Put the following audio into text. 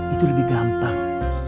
itu lebih gampang